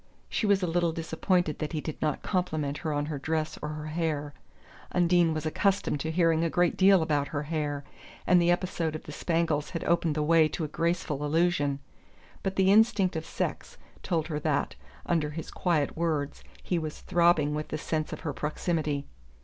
She was a little disappointed that he did not compliment her on her dress or her hair Undine was accustomed to hearing a great deal about her hair, and the episode of the spangles had opened the way to a graceful allusion but the instinct of sex told her that, under his quiet words, he was throbbing with the sense of her proximity.